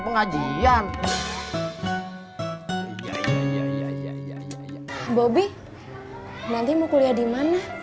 pengajian bobi nanti mau kuliah di mana